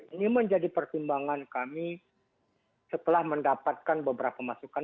ini menjadi pertimbangan kami setelah mendapatkan beberapa masukan